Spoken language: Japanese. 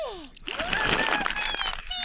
見事な推理っピ！